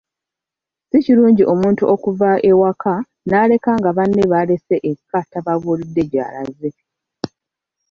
Si kirungi omuntu okuva ewaka n’aleka nga banne b'alese eka tababuulidde gy’alaze.